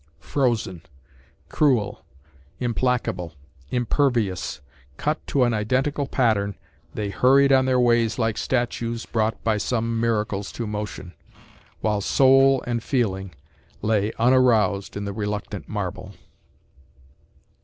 Frozen, cruel, implacable, impervious, cut to an identical pattern, they hurried on their ways like statues brought by some miracles to motion, while soul and feeling lay unaroused in the reluctant marble.